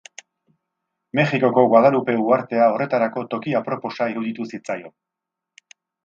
Mexikoko Guadalupe uhartea horretarako toki aproposa iruditu zitzaion.